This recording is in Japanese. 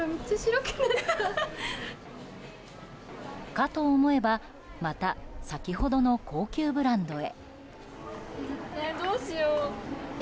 かと思えばまた先ほどの高級ブランドへ。